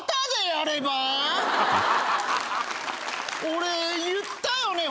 俺言ったよね？